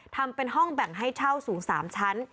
ทำเป็นห้องแบ่งให้เช่าสูง๓ชั้น